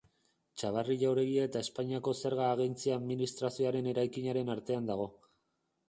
Txabarri jauregia eta Espainiako Zerga Agentzia Administrazioaren eraikinaren artean dago.